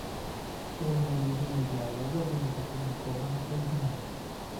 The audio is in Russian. Полное резюме Диалога будет опубликовано позднее.